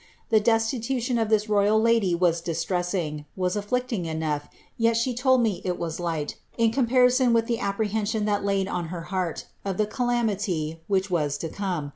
The destitution &1 lady was distressing, was afflicting enough, yet she told light, in comparison to the apprehension that laid on her ; greater calamity which was to come.